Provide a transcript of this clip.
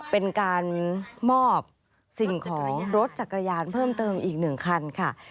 เป็นการมอบสิ่งของรถจักรยานเพิ่มเติมอีก๑คันค่ะ